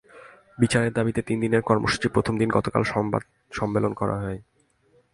বিচারের দাবিতে তিন দিনের কর্মসূচির প্রথম দিন গতকাল সংবাদ সমেঞ্চলন করা হয়।